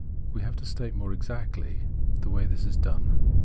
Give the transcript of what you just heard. We have to state more exactly the way this is done.